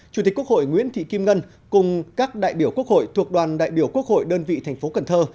chủ tịch quốc hội nguyễn thị kim ngân cùng các đại biểu quốc hội thuộc đoàn đại biểu quốc hội đơn vị thành phố cần thơ